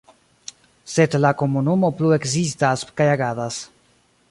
Sed la komunumo plu ekzistas kaj agadas.